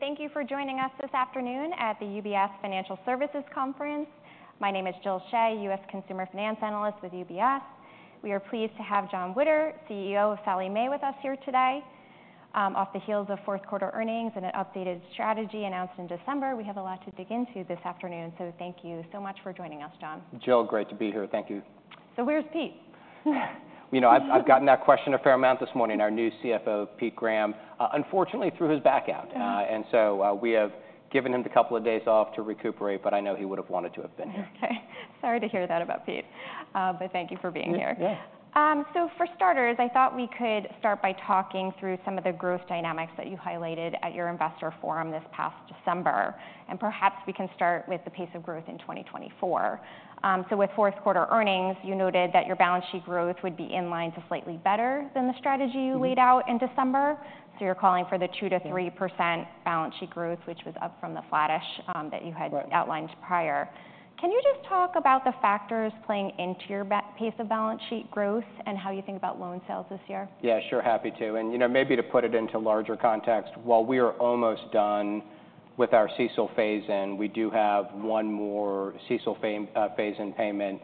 Thank you for joining us this afternoon at the UBS Financial Services Conference. My name is Jill Shea, US Consumer Finance Analyst with UBS. We are pleased to have Jon Witter, CEO of Sallie Mae, with us here today. Off the heels of fourth quarter earnings and an updated strategy announced in December, we have a lot to dig into this afternoon. So thank you so much for joining us, Jon. Jill, great to be here. Thank you. Where's Pete? You know, I've gotten that question a fair amount this morning. Our new CFO, Pete Graham, unfortunately, threw his back out. Oh. And so, we have given him a couple of days off to recuperate, but I know he would have wanted to have been here. Okay. Sorry to hear that about Pete, but thank you for being here. Yeah, yeah. So for starters, I thought we could start by talking through some of the growth dynamics that you highlighted at your Investor Forum this past December. And perhaps we can start with the pace of growth in 2024. So with fourth quarter earnings, you noted that your balance sheet growth would be in line to slightly better than the strategy- Mm-hmm you laid out in December. So you're calling for the 2%-3% Yeah - balance sheet growth, which was up from the flattish, that you had- Right outlined prior. Can you just talk about the factors playing into your pace of balance sheet growth and how you think about loan sales this year? Yeah, sure. Happy to. And, you know, maybe to put it into larger context, while we are almost done with our CECL phase-in, we do have one more CECL phase-in payment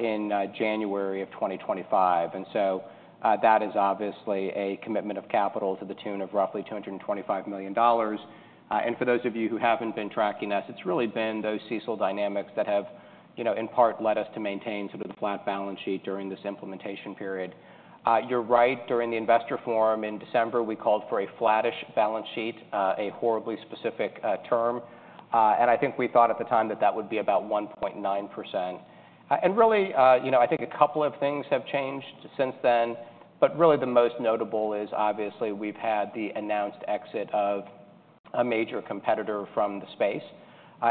in January 2025. And so, that is obviously a commitment of capital to the tune of roughly $225 million. And for those of you who haven't been tracking us, it's really been those CECL dynamics that have, you know, in part, led us to maintain sort of the flat balance sheet during this implementation period. You're right, during the Investor Forum in December, we called for a flattish balance sheet, a horribly specific term. And I think we thought at the time that that would be about 1.9%. Really, you know, I think a couple of things have changed since then, but really the most notable is, obviously, we've had the announced exit of a major competitor from the space.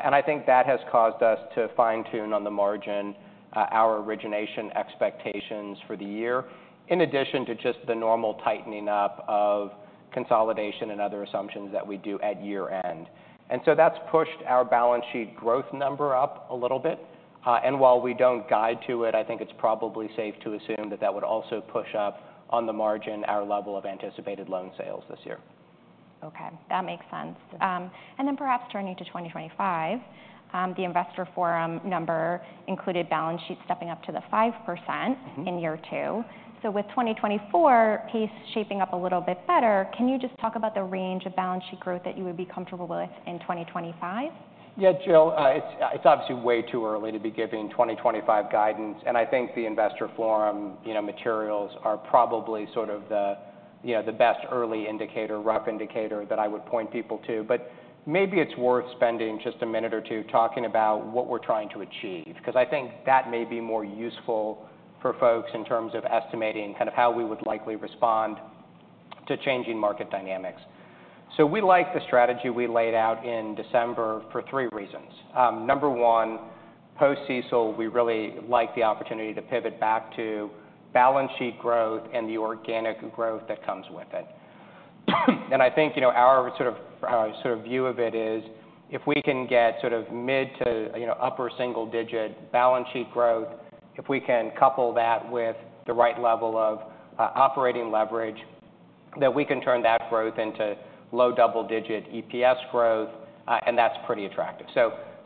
And I think that has caused us to fine-tune on the margin our origination expectations for the year, in addition to just the normal tightening up of consolidation and other assumptions that we do at year-end. And so that's pushed our balance sheet growth number up a little bit. And while we don't guide to it, I think it's probably safe to assume that that would also push up on the margin our level of anticipated loan sales this year. Okay, that makes sense. And then perhaps turning to 2025, the Investor Forum number included balance sheet stepping up to the 5%- Mm-hmm - in year two. So with 2024 pace shaping up a little bit better, can you just talk about the range of balance sheet growth that you would be comfortable with in 2025? Yeah, Jill, it's obviously way too early to be giving 2025 guidance, and I think the Investor Forum, you know, materials are probably sort of the, you know, the best early indicator, rough indicator that I would point people to. But maybe it's worth spending just a minute or two talking about what we're trying to achieve, because I think that may be more useful for folks in terms of estimating kind of how we would likely respond to changing market dynamics. So we like the strategy we laid out in December for three reasons. Number one, post-CECL, we really like the opportunity to pivot back to balance sheet growth and the organic growth that comes with it. I think, you know, our sort of view of it is, if we can get sort of mid to, you know, upper single digit balance sheet growth, if we can couple that with the right level of operating leverage, then we can turn that growth into low double-digit EPS growth, and that's pretty attractive.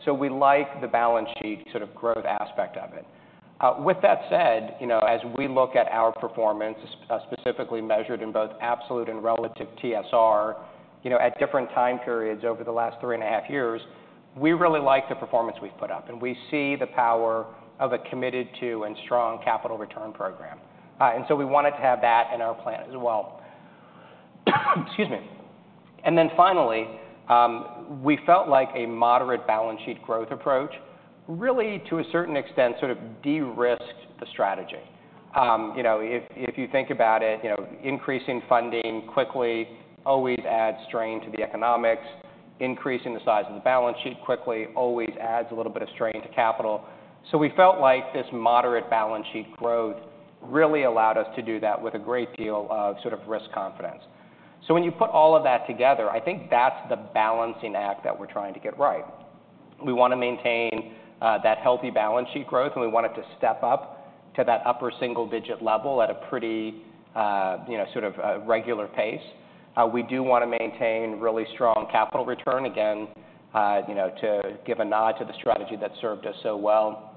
So we like the balance sheet sort of growth aspect of it. With that said, you know, as we look at our performance, specifically measured in both absolute and relative TSR, you know, at different time periods over the last three and a half years, we really like the performance we've put up, and we see the power of a committed to and strong capital return program. And so we wanted to have that in our plan as well. Excuse me. And then finally, we felt like a moderate balance sheet growth approach, really, to a certain extent, sort of de-risked the strategy. You know, if you think about it, you know, increasing funding quickly always adds strain to the economics. Increasing the size of the balance sheet quickly always adds a little bit of strain to capital. So we felt like this moderate balance sheet growth really allowed us to do that with a great deal of sort of risk confidence. So when you put all of that together, I think that's the balancing act that we're trying to get right. We want to maintain that healthy balance sheet growth, and we want it to step up to that upper single digit level at a pretty, you know, sort of, regular pace. We do want to maintain really strong capital return, again, you know, to give a nod to the strategy that served us so well.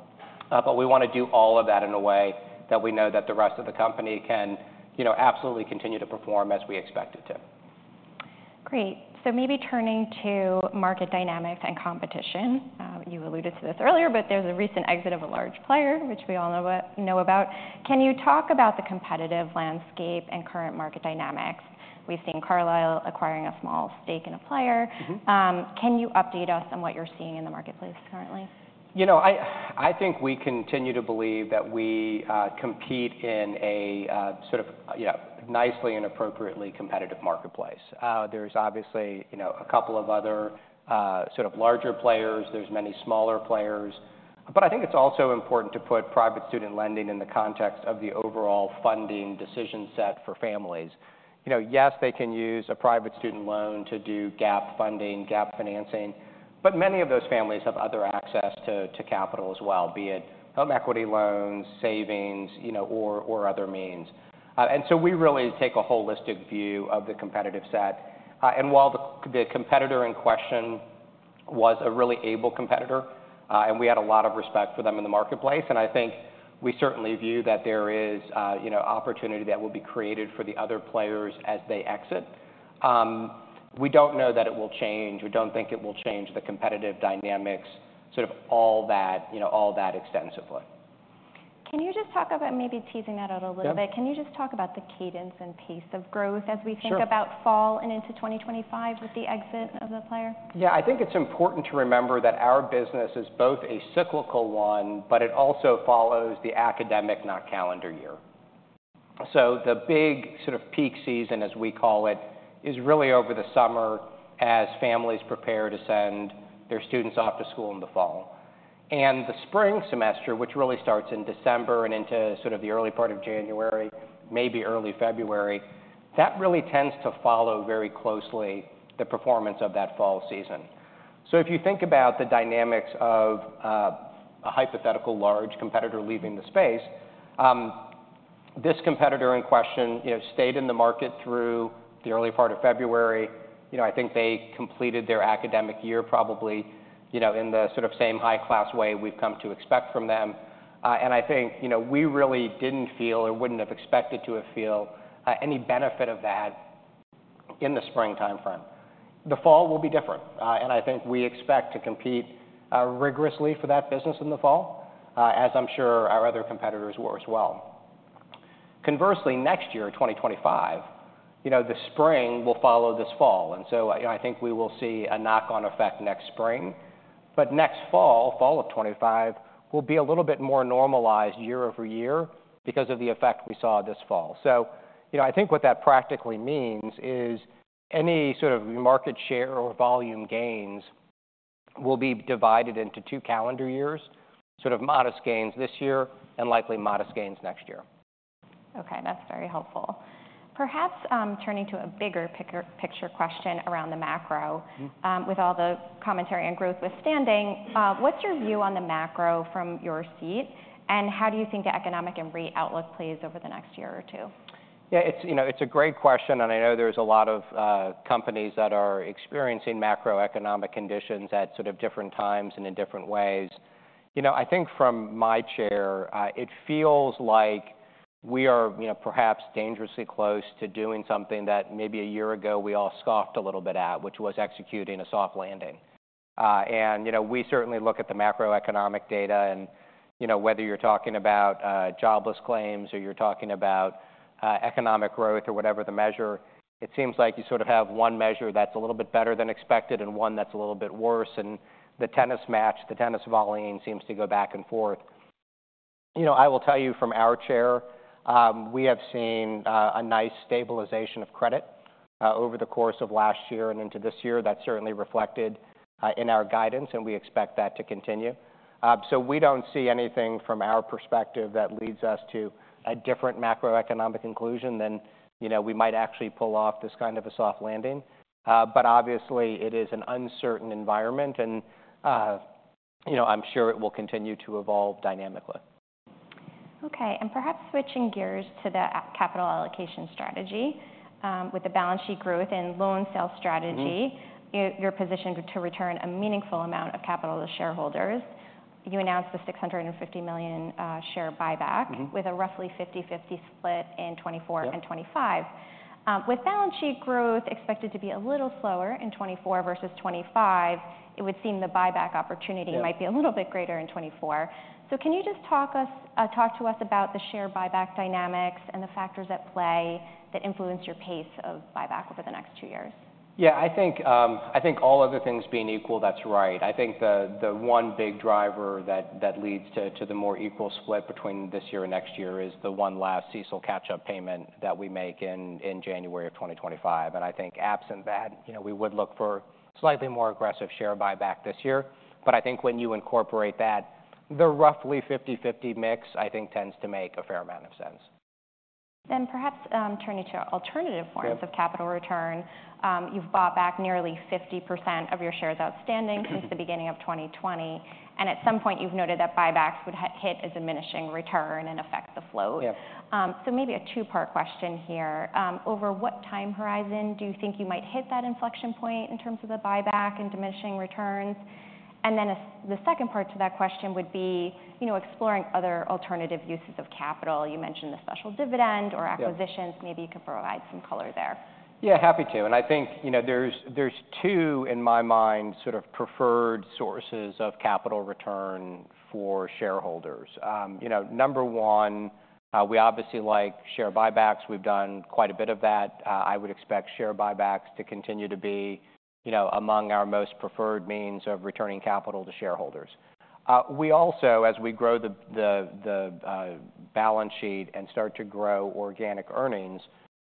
But we want to do all of that in a way that we know that the rest of the company can, you know, absolutely continue to perform as we expect it to. Great. So maybe turning to market dynamics and competition. You alluded to this earlier, but there's a recent exit of a large player, which we all know about. Can you talk about the competitive landscape and current market dynamics? We've seen Carlyle acquiring a small stake in a player. Mm-hmm. Can you update us on what you're seeing in the marketplace currently? You know, I think we continue to believe that we compete in a sort of, you know, nicely and appropriately competitive marketplace. There's obviously, you know, a couple of other sort of larger players. There's many smaller players. But I think it's also important to put private student lending in the context of the overall funding decision set for families. You know, yes, they can use a private student loan to do gap funding, gap financing, but many of those families have other access to capital as well, be it home equity loans, savings, you know, or other means. And so we really take a holistic view of the competitive set. And while the competitor in question, was a really able competitor, and we had a lot of respect for them in the marketplace, and I think we certainly view that there is, you know, opportunity that will be created for the other players as they exit. We don't know that it will change. We don't think it will change the competitive dynamics, sort of all that, you know, all that extensively. Can you just talk about maybe teasing that out a little bit? Yeah. Can you just talk about the cadence and pace of growth? Sure -as we think about fall and into 2025 with the exit of the player? Yeah, I think it's important to remember that our business is both a cyclical one, but it also follows the academic, not calendar year. So the big sort of peak season, as we call it, is really over the summer as families prepare to send their students off to school in the fall. And the spring semester, which really starts in December and into sort of the early part of January, maybe early February, that really tends to follow very closely the performance of that fall season. So if you think about the dynamics of a hypothetical large competitor leaving the space, this competitor in question, you know, stayed in the market through the early part of February. You know, I think they completed their academic year probably, you know, in the sort of same high-class way we've come to expect from them. And I think, you know, we really didn't feel or wouldn't have expected to feel any benefit of that in the spring timeframe. The fall will be different, and I think we expect to compete rigorously for that business in the fall, as I'm sure our other competitors will as well. Conversely, next year, 2025, you know, the spring will follow this fall, and so I think we will see a knock-on effect next spring. But next fall, fall of 2025, will be a little bit more normalized year-over-year because of the effect we saw this fall. So, you know, I think what that practically means is any sort of market share or volume gains will be divided into two calendar years, sort of modest gains this year and likely modest gains next year. Okay, that's very helpful. Perhaps, turning to a bigger picture question around the macro. Mm-hmm. With all the commentary and growth notwithstanding, what's your view on the macro from your seat, and how do you think the economic outlook plays out over the next year or two? Yeah, it's, you know, it's a great question, and I know there's a lot of companies that are experiencing macroeconomic conditions at sort of different times and in different ways. You know, I think from my chair it feels like we are, you know, perhaps dangerously close to doing something that maybe a year ago we all scoffed a little bit at, which was executing a soft landing. And, you know, we certainly look at the macroeconomic data and, you know, whether you're talking about jobless claims or you're talking about economic growth or whatever the measure, it seems like you sort of have one measure that's a little bit better than expected and one that's a little bit worse, and the tennis match, the tennis volleying seems to go back and forth. You know, I will tell you from our chair, we have seen a nice stabilization of credit over the course of last year and into this year. That's certainly reflected in our guidance, and we expect that to continue. So we don't see anything from our perspective that leads us to a different macroeconomic conclusion than, you know, we might actually pull off this kind of a soft landing. But obviously, it is an uncertain environment, and, you know, I'm sure it will continue to evolve dynamically. Okay, and perhaps switching gears to the capital allocation strategy. With the balance sheet growth and loan sales strategy- Mm-hmm -you're positioned to return a meaningful amount of capital to shareholders. You announced the $650 million share buyback- Mm-hmm -with a roughly 50/50 split in 2024- Yeah -and 2025. With balance sheet growth expected to be a little slower in 2024 versus 2025, it would seem the buyback opportunity- Yeah might be a little bit greater in 2024. So can you just talk to us about the share buyback dynamics and the factors at play that influence your pace of buyback over the next two years? Yeah, I think, I think all other things being equal, that's right. I think the one big driver that leads to the more equal split between this year and next year is the one last CECL catch-up payment that we make in January of 2025. And I think absent that, you know, we would look for slightly more aggressive share buyback this year. But I think when you incorporate that, the roughly 50/50 mix, I think, tends to make a fair amount of sense. Then, perhaps, turning to alternative forms- Yeah -of capital return. You've bought back nearly 50% of your shares outstanding- Mm-hmm Since the beginning of 2020, and at some point, you've noted that buybacks would hit a diminishing return and affect the float. Yeah. So maybe a two-part question here. Over what time horizon do you think you might hit that inflection point in terms of the buyback and diminishing returns? Then a-- the second part to that question would be, you know, exploring other alternative uses of capital. You mentioned the special dividend or- Yeah Acquisitions. Maybe you could provide some color there. Yeah, happy to. I think, you know, there's two, in my mind, sort of preferred sources of capital return for shareholders. You know, number one, we obviously like share buybacks. We've done quite a bit of that. I would expect share buybacks to continue to be, you know, among our most preferred means of returning capital to shareholders. We also, as we grow the balance sheet and start to grow organic earnings,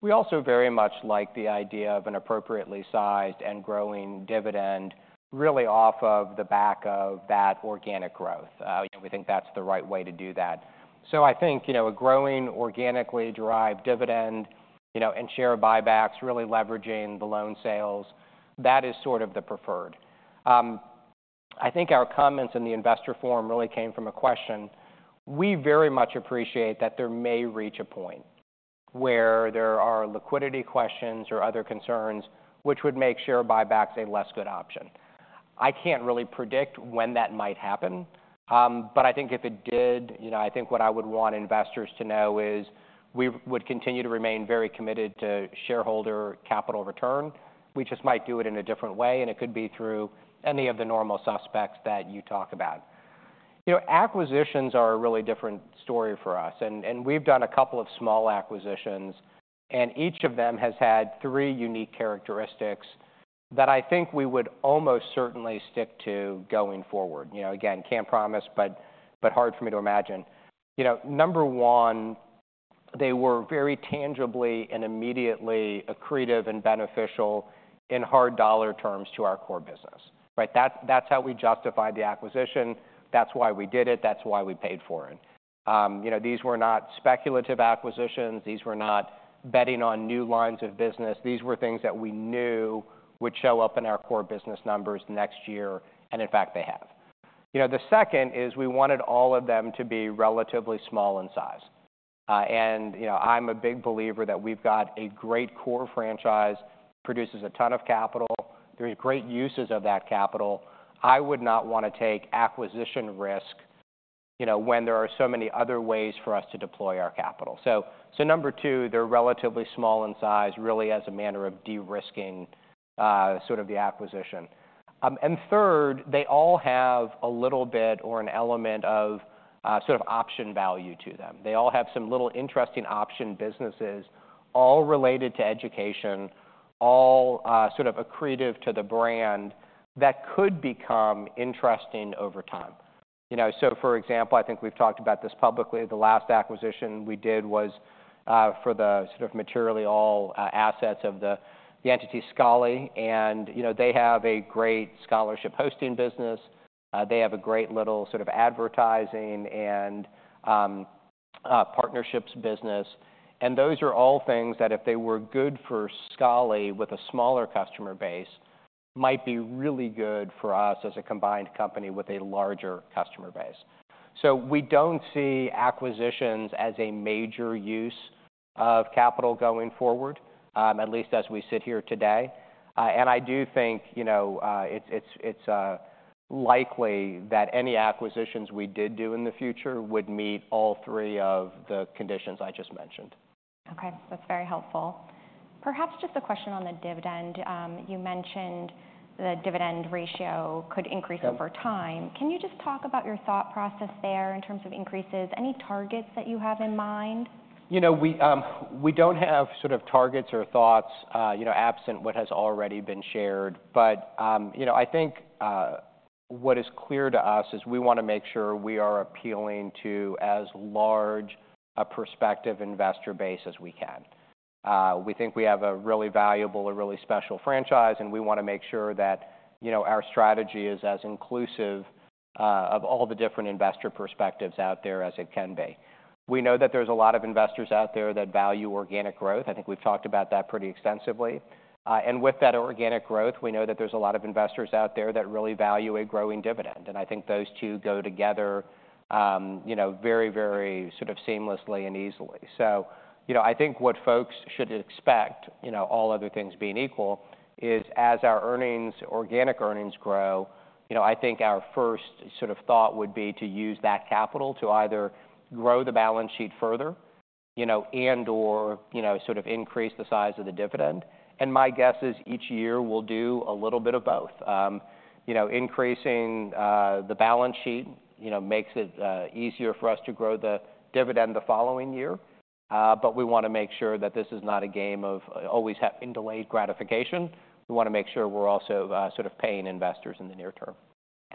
very much like the idea of an appropriately sized and growing dividend, really off of the back of that organic growth. You know, we think that's the right way to do that. So I think, you know, a growing, organically derived dividend, you know, and share buybacks, really leveraging the loan sales, that is sort of the preferred. I think our comments in the Investor Forum really came from a question. We very much appreciate that there may reach a point where there are liquidity questions or other concerns, which would make share buybacks a less good option. I can't really predict when that might happen, but I think if it did, you know, I think what I would want investors to know is we would continue to remain very committed to shareholder capital return. We just might do it in a different way, and it could be through any of the normal suspects that you talk about. You know, acquisitions are a really different story for us, and we've done a couple of small acquisitions, and each of them has had three unique characteristics that I think we would almost certainly stick to going forward. You know, again, can't promise, but hard for me to imagine. You know, number one, they were very tangibly and immediately accretive and beneficial in hard dollar terms to our core business, right? That's how we justified the acquisition. That's why we did it. That's why we paid for it. You know, these were not speculative acquisitions. These were not betting on new lines of business. These were things that we knew would show up in our core business numbers next year, and in fact, they have. You know, the second is we wanted all of them to be relatively small in size. And, you know, I'm a big believer that we've got a great core franchise, produces a ton of capital. There are great uses of that capital. I would not want to take acquisition risk, you know, when there are so many other ways for us to deploy our capital. So, number two, they're relatively small in size, really as a matter of de-risking sort of the acquisition. And third, they all have a little bit or an element of sort of option value to them. They all have some little interesting option businesses, all related to education, all sort of accretive to the brand that could become interesting over time. You know, so for example, I think we've talked about this publicly. The last acquisition we did was for the sort of materially all assets of the entity, Scholly, and, you know, they have a great scholarship hosting business. They have a great little sort of advertising and partnerships business. Those are all things that, if they were good for Scholly with a smaller customer base, might be really good for us as a combined company with a larger customer base. So we don't see acquisitions as a major use of capital going forward, at least as we sit here today. And I do think, you know, it's likely that any acquisitions we did do in the future would meet all three of the conditions I just mentioned. Okay, that's very helpful. Perhaps just a question on the dividend. You mentioned the dividend ratio could increase- Yep over time. Can you just talk about your thought process there in terms of increases? Any targets that you have in mind? You know, we, we don't have sort of targets or thoughts, you know, absent what has already been shared. But, you know, I think, what is clear to us is we want to make sure we are appealing to as large a prospective investor base as we can. We think we have a really valuable and really special franchise, and we want to make sure that, you know, our strategy is as inclusive, of all the different investor perspectives out there as it can be. We know that there's a lot of investors out there that value organic growth. I think we've talked about that pretty extensively. And with that organic growth, we know that there's a lot of investors out there that really value a growing dividend, and I think those two go together, you know, very, very sort of seamlessly and easily. So, you know, I think what folks should expect, you know, all other things being equal, is as our earnings, organic earnings grow, you know, I think our first sort of thought would be to use that capital to either grow the balance sheet further, you know, and/or, you know, sort of increase the size of the dividend. And my guess is each year we'll do a little bit of both. You know, increasing the balance sheet, you know, makes it easier for us to grow the dividend the following year, but we want to make sure that this is not a game of always having delayed gratification. We want to make sure we're also sort of paying investors in the near term.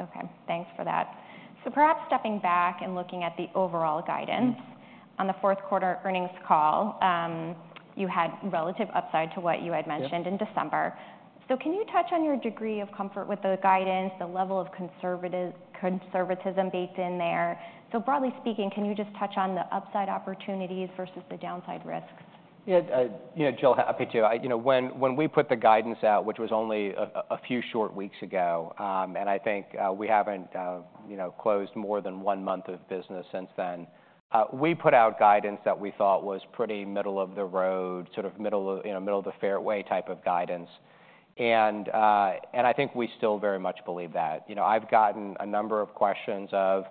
Okay, thanks for that. So perhaps stepping back and looking at the overall guidance- Mm-hmm. On the fourth quarter earnings call, you had relative upside to what you had mentioned- Yep... in December. So can you touch on your degree of comfort with the guidance, the level of conservatism baked in there? So broadly speaking, can you just touch on the upside opportunities versus the downside risks? Yeah, you know, Jill, happy to. You know, when we put the guidance out, which was only a few short weeks ago, and I think we haven't, you know, closed more than one month of business since then. We put out guidance that we thought was pretty middle-of-the-road, sort of middle of, you know, middle-of-the-fairway type of guidance, and I think we still very much believe that. You know, I've gotten a number of questions of,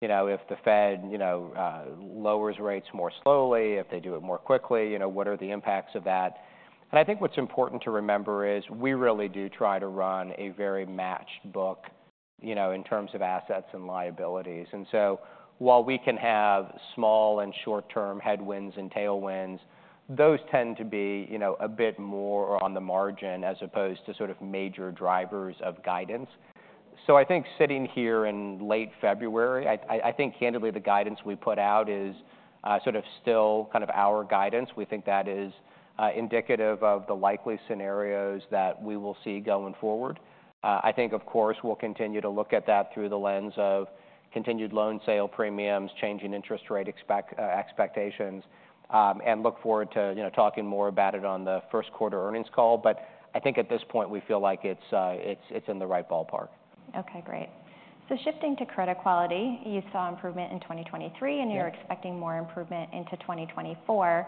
you know, if the Fed, you know, lowers rates more slowly, if they do it more quickly, you know, what are the impacts of that? And I think what's important to remember is we really do try to run a very matched book, you know, in terms of assets and liabilities. And so while we can have small and short-term headwinds and tailwinds, those tend to be, you know, a bit more on the margin, as opposed to sort of major drivers of guidance. So I think sitting here in late February, I think candidly, the guidance we put out is sort of still kind of our guidance. We think that is indicative of the likely scenarios that we will see going forward. I think, of course, we'll continue to look at that through the lens of continued loan sale premiums, changing interest rate expectations, and look forward to, you know, talking more about it on the first quarter earnings call. But I think at this point, we feel like it's in the right ballpark. Okay, great. So shifting to credit quality, you saw improvement in 2023- Yeah And you're expecting more improvement into 2024.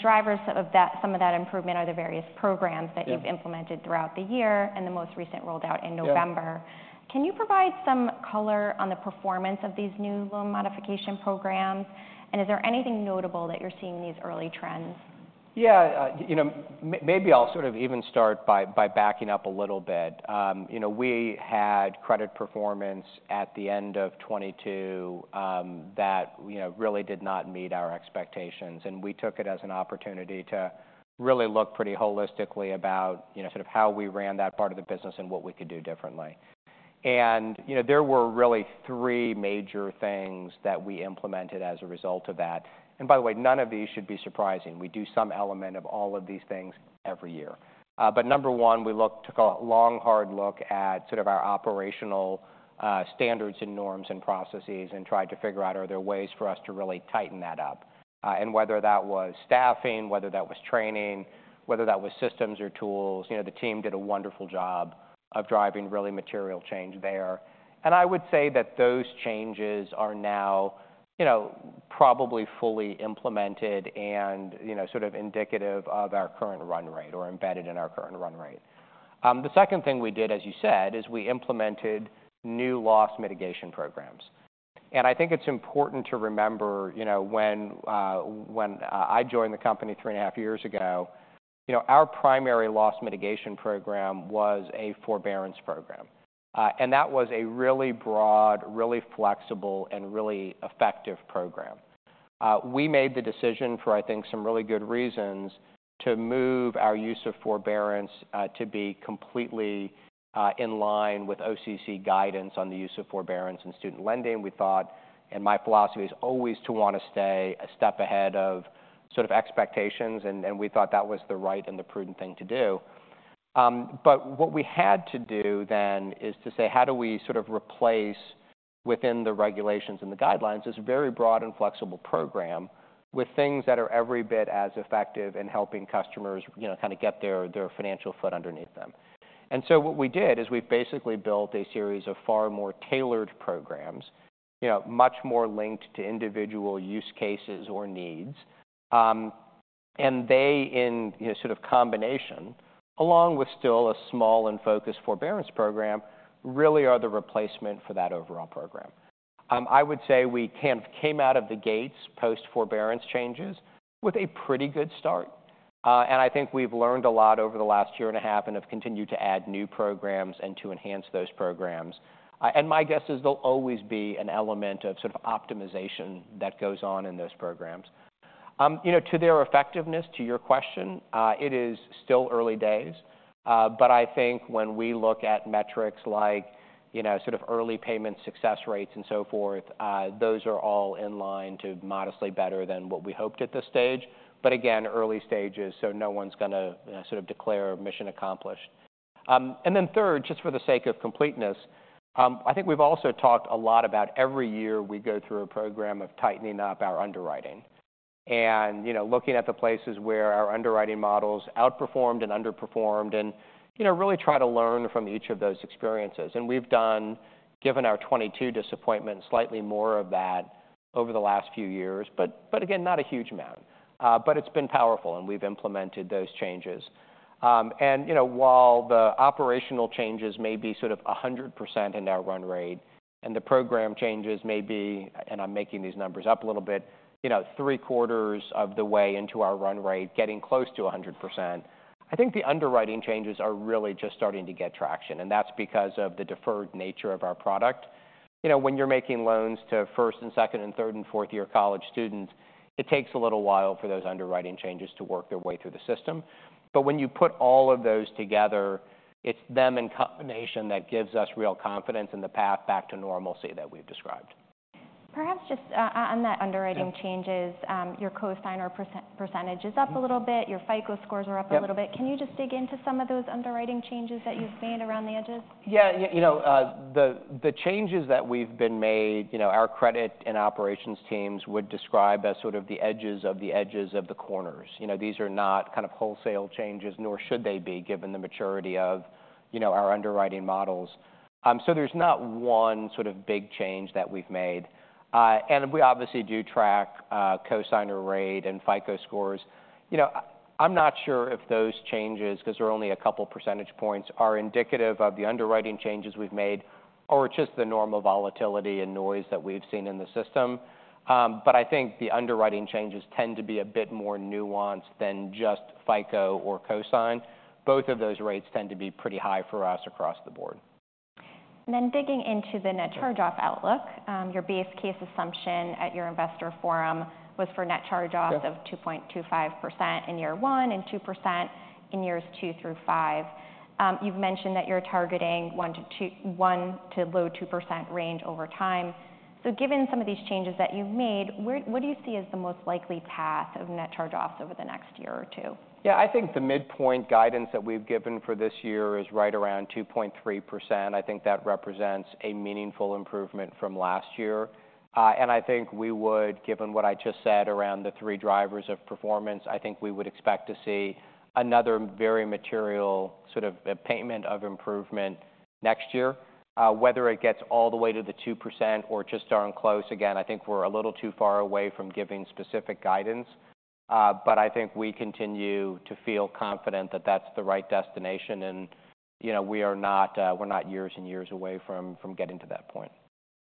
Drivers of that, some of that improvement are the various programs that- Yeah you've implemented throughout the year, and the most recent rolled out in November. Yeah. Can you provide some color on the performance of these new loan modification programs? And is there anything notable that you're seeing in these early trends? Yeah, you know, maybe I'll sort of even start by backing up a little bit. You know, we had credit performance at the end of 2022 that really did not meet our expectations, and we took it as an opportunity to really look pretty holistically about, you know, sort of how we ran that part of the business and what we could do differently. And, you know, there were really three major things that we implemented as a result of that. And by the way, none of these should be surprising. We do some element of all of these things every year. But number one, we took a long, hard look at sort of our operational standards and norms and processes, and tried to figure out, are there ways for us to really tighten that up? Whether that was staffing, whether that was training, whether that was systems or tools, you know, the team did a wonderful job of driving really material change there. And I would say that those changes are now, you know, probably fully implemented and, you know, sort of indicative of our current run rate or embedded in our current run rate. The second thing we did, as you said, is we implemented new loss mitigation programs. And I think it's important to remember, you know, when I joined the company three and a half years ago, you know, our primary loss mitigation program was a forbearance program. And that was a really broad, really flexible, and really effective program. We made the decision for, I think, some really good reasons, to move our use of forbearance to be completely in line with OCC guidance on the use of forbearance in student lending. We thought, and my philosophy is always to want to stay a step ahead of sort of expectations, and we thought that was the right and the prudent thing to do. But what we had to do then is to say, how do we sort of replace, within the regulations and the guidelines, this very broad and flexible program with things that are every bit as effective in helping customers, you know, kind of get their financial foot underneath them? And so what we did is we basically built a series of far more tailored programs, you know, much more linked to individual use cases or needs. And they in, you know, sort of combination, along with still a small and focused forbearance program, really are the replacement for that overall program. I would say we came out of the gates post-forbearance changes with a pretty good start. And I think we've learned a lot over the last year and a half and have continued to add new programs and to enhance those programs. And my guess is there'll always be an element of sort of optimization that goes on in those programs. You know, to their effectiveness, to your question, it is still early days, but I think when we look at metrics like, you know, sort of early payment success rates and so forth, those are all in line to modestly better than what we hoped at this stage. But again, early stages, so no one's going to sort of declare mission accomplished. And then third, just for the sake of completeness, I think we've also talked a lot about every year we go through a program of tightening up our underwriting. And, you know, looking at the places where our underwriting models outperformed and underperformed and, you know, really try to learn from each of those experiences. And we've done, given our 2022 disappointment, slightly more of that over the last few years, but, but again, not a huge amount. But it's been powerful, and we've implemented those changes. And, you know, while the operational changes may be sort of 100% in our run rate, and the program changes may be, and I'm making these numbers up a little bit, you know, three-quarters of the way into our run rate, getting close to 100%, I think the underwriting changes are really just starting to get traction, and that's because of the deferred nature of our product. You know, when you're making loans to first- and second- and third- and fourth-year college students, it takes a little while for those underwriting changes to work their way through the system. But when you put all of those together, it's them in combination that gives us real confidence in the path back to normalcy that we've described. Perhaps just, on that underwriting changes- Yeah... your cosigner percentage is up a little bit. Your FICO scores are up a little bit. Yep. Can you just dig into some of those underwriting changes that you've made around the edges? Yeah, you know, the changes that we've made, you know, our credit and operations teams would describe as sort of the edges of the edges of the corners. You know, these are not kind of wholesale changes, nor should they be, given the maturity of, you know, our underwriting models. So there's not one sort of big change that we've made. And we obviously do track cosigner rate and FICO scores. You know, I'm not sure if those changes, because they're only a couple percentage points, are indicative of the underwriting changes we've made or just the normal volatility and noise that we've seen in the system. But I think the underwriting changes tend to be a bit more nuanced than just FICO or cosign. Both of those rates tend to be pretty high for us across the board. And then digging into the net charge-off outlook, your base case assumption at your Investor Forum was for net charge-offs- Yeah of 2.25% in year one and 2% in years two through five. You've mentioned that you're targeting 1% to low 2% range over time. So given some of these changes that you've made, what do you see as the most likely path of net charge-offs over the next year or two? Yeah, I think the midpoint guidance that we've given for this year is right around 2.3%. I think that represents a meaningful improvement from last year. And I think we would, given what I just said around the three drivers of performance, I think we would expect to see another very material sort of a payment of improvement next year. Whether it gets all the way to the 2% or just darn close, again, I think we're a little too far away from giving specific guidance. But I think we continue to feel confident that that's the right destination, and, you know, we are not, we're not years and years away from getting to that point.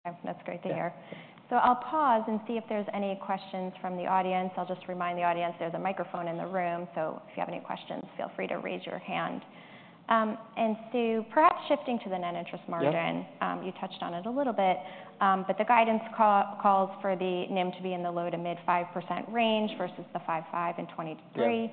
Yeah. That's great to hear. Yeah. I'll pause and see if there's any questions from the audience. I'll just remind the audience there's a microphone in the room, so if you have any questions, feel free to raise your hand. So, perhaps shifting to the net interest margin. Yeah. You touched on it a little bit, but the guidance calls for the NIM to be in the low to mid-5% range versus the 5.5% in 2023. Yeah.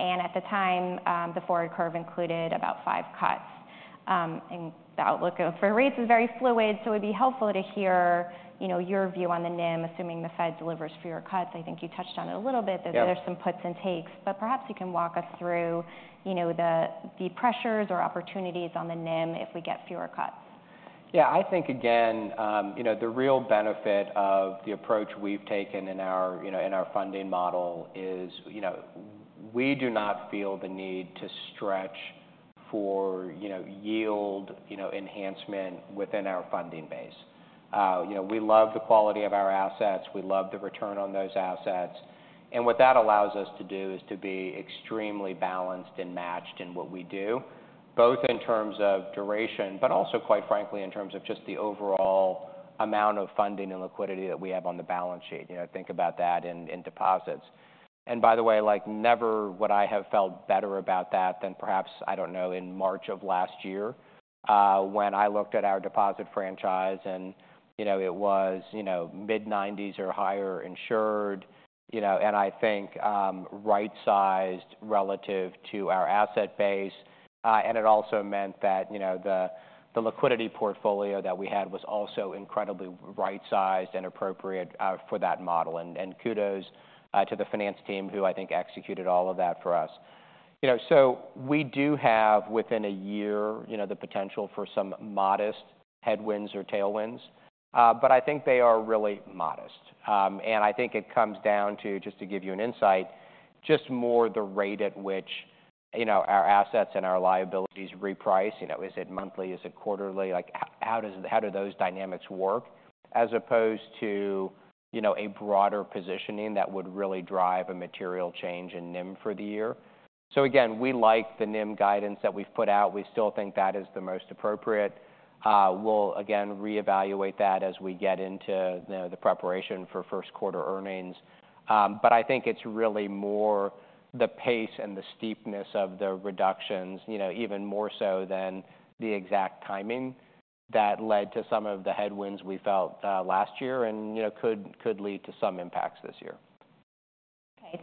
At the time, the forward curve included about five cuts. The outlook for rates is very fluid, so it'd be helpful to hear, you know, your view on the NIM, assuming the Fed delivers fewer cuts. I think you touched on it a little bit- Yeah that there's some puts and takes, but perhaps you can walk us through, you know, the pressures or opportunities on the NIM if we get fewer cuts? Yeah, I think, again, you know, the real benefit of the approach we've taken in our, you know, in our funding model is, you know, we do not feel the need to stretch for, you know, yield, you know, enhancement within our funding base. You know, we love the quality of our assets. We love the return on those assets, and what that allows us to do is to be extremely balanced and matched in what we do, both in terms of duration, but also, quite frankly, in terms of just the overall amount of funding and liquidity that we have on the balance sheet. You know, think about that in deposits. By the way, like, never would I have felt better about that than perhaps, I don't know, in March of last year, when I looked at our deposit franchise and, you know, it was, you know, mid-nineties or higher insured. You know, and I think right-sized relative to our asset base. And it also meant that, you know, the liquidity portfolio that we had was also incredibly right-sized and appropriate for that model. And kudos to the finance team, who I think executed all of that for us. You know, so we do have, within a year, you know, the potential for some modest headwinds or tailwinds, but I think they are really modest. And I think it comes down to, just to give you an insight, just more the rate at which, you know, our assets and our liabilities reprice. You know, is it monthly? Is it quarterly? Like, how do those dynamics work as opposed to, you know, a broader positioning that would really drive a material change in NIM for the year? So again, we like the NIM guidance that we've put out. We still think that is the most appropriate. We'll again reevaluate that as we get into, you know, the preparation for first quarter earnings. But I think it's really more the pace and the steepness of the reductions, you know, even more so than the exact timing, that led to some of the headwinds we felt, last year and, you know, could lead to some impacts this year. Okay.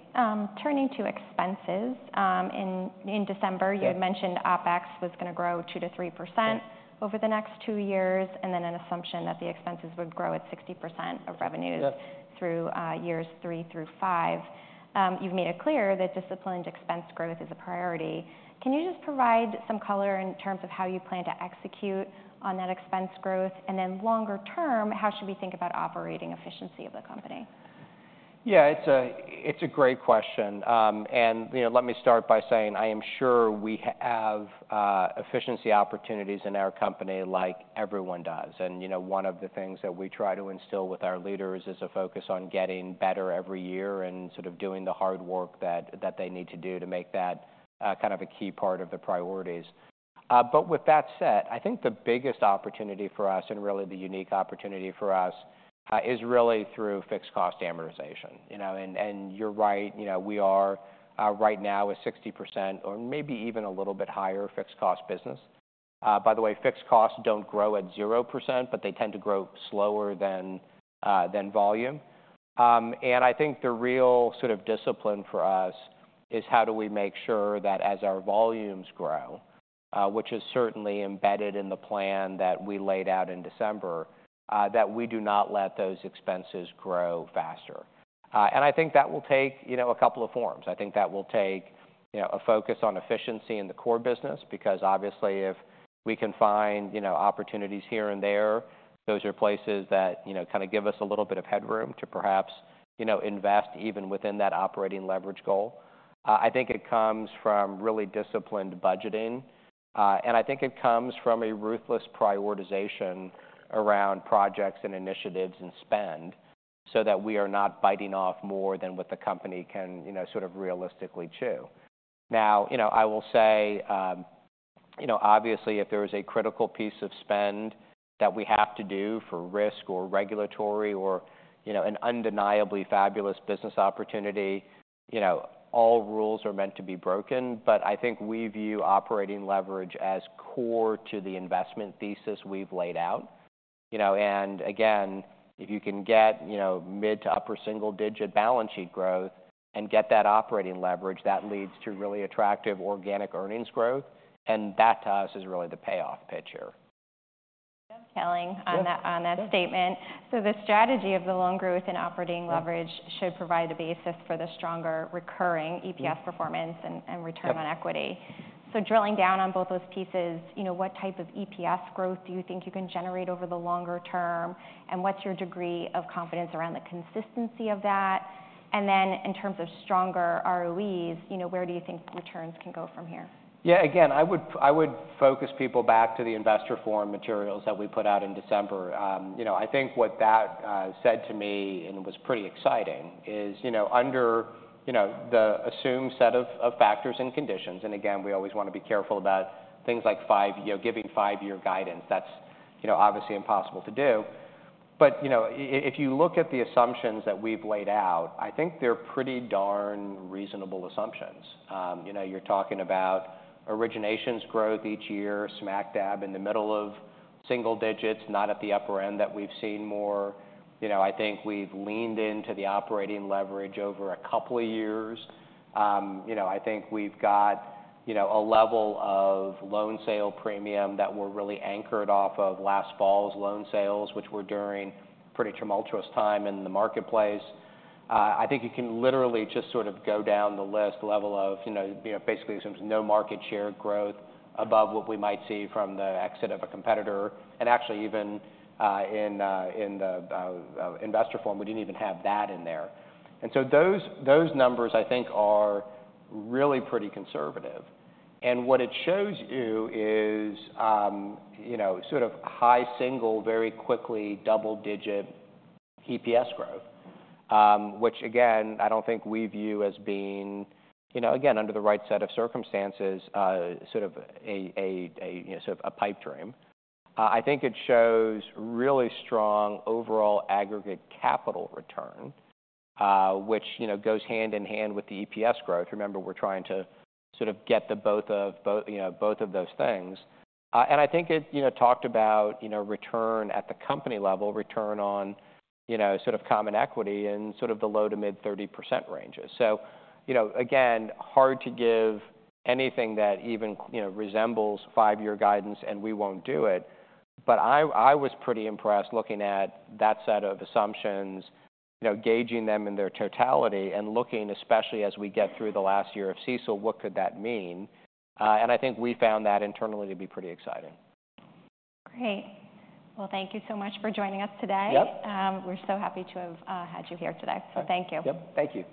Turning to expenses. In December- Yeah - you had mentioned OpEx was going to grow 2%-3%- Yeah - over the next two years, and then an assumption that the expenses would grow at 60% of revenues- Yeah... through years three through five. You've made it clear that disciplined expense growth is a priority. Can you just provide some color in terms of how you plan to execute on that expense growth? And then longer term, how should we think about operating efficiency of the company? Yeah, it's a great question. And, you know, let me start by saying, I am sure we have efficiency opportunities in our company like everyone does. And, you know, one of the things that we try to instill with our leaders is a focus on getting better every year and sort of doing the hard work that they need to do to make that kind of a key part of the priorities. But with that said, I think the biggest opportunity for us, and really the unique opportunity for us, is really through fixed cost amortization. You know, and, and you're right, you know, we are right now a 60% or maybe even a little bit higher fixed cost business. By the way, fixed costs don't grow at 0%, but they tend to grow slower than volume. I think the real sort of discipline for us is how do we make sure that as our volumes grow, which is certainly embedded in the plan that we laid out in December, that we do not let those expenses grow faster. I think that will take, you know, a couple of forms. I think that will take, you know, a focus on efficiency in the core business, because obviously if we can find, you know, opportunities here and there, those are places that, you know, kind of give us a little bit of headroom to perhaps, you know, invest even within that operating leverage goal. I think it comes from really disciplined budgeting, and I think it comes from a ruthless prioritization around projects and initiatives and spend, so that we are not biting off more than what the company can, you know, sort of realistically chew. Now, you know, I will say, you know, obviously, if there is a critical piece of spend that we have to do for risk or regulatory or, you know, an undeniably fabulous business opportunity. You know, all rules are meant to be broken, but I think we view operating leverage as core to the investment thesis we've laid out. You know, and again, if you can get, you know, mid to upper single-digit balance sheet growth and get that operating leverage, that leads to really attractive organic earnings growth, and that, to us, is really the payoff pitch here. Telling- Yeah. -on that, on that statement. So the strategy of the loan growth and operating leverage- Yeah should provide the basis for the stronger recurring EPS performance and, Yep -and return on equity. So drilling down on both those pieces, you know, what type of EPS growth do you think you can generate over the longer term? And what's your degree of confidence around the consistency of that? And then in terms of stronger ROEs, you know, where do you think returns can go from here? Yeah, again, I would focus people back to the Investor Forum materials that we put out in December. You know, I think what that said to me, and it was pretty exciting, is, you know, under the assumed set of factors and conditions, and again, we always want to be careful about things like five-year guidance. That's, you know, obviously impossible to do. But, you know, if you look at the assumptions that we've laid out, I think they're pretty darn reasonable assumptions. You know, you're talking about originations growth each year, smack dab in the middle of single digits, not at the upper end that we've seen more. You know, I think we've leaned into the operating leverage over a couple of years. You know, I think we've got, you know, a level of loan sale premium that we're really anchored off of last fall's loan sales, which were during pretty tumultuous time in the marketplace. I think you can literally just sort of go down the list, level of, you know, basically, there's no market share growth above what we might see from the exit of a competitor. And actually, in the Investor Forum, we didn't even have that in there. And so those numbers, I think, are really pretty conservative. And what it shows you is, you know, sort of high single, very quickly double-digit EPS growth, which again, I don't think we view as being, you know, again, under the right set of circumstances, sort of a pipe dream. I think it shows really strong overall aggregate capital return, which, you know, goes hand in hand with the EPS growth. Remember, we're trying to sort of get the both of both, you know, both of those things. And I think it, you know, talked about, you know, return at the company level, return on, you know, sort of common equity and sort of the low to mid-30% ranges. So, you know, again, hard to give anything that even, you know, resembles five-year guidance, and we won't do it. But I was pretty impressed looking at that set of assumptions, you know, gauging them in their totality and looking, especially as we get through the last year of CECL, what could that mean? And I think we found that internally to be pretty exciting. Great. Well, thank you so much for joining us today. Yep. We're so happy to have had you here today. Thank you. Yep. Thank you.